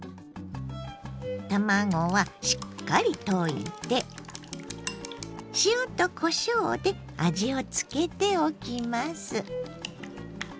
卵はしっかり溶いて塩とこしょうで味を付けておきます。